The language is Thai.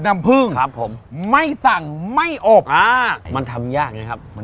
มันยากนะครับ